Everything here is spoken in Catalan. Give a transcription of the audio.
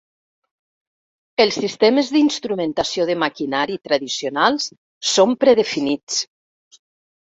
Els sistemes d'instrumentació de maquinari tradicionals són predefinits.